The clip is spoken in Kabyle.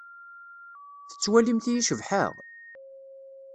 Tettwalimt-iyi cebḥeɣ?